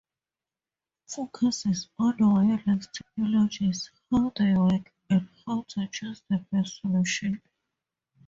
Focuses on wireless technologies, how they work, and how to choose the best solution.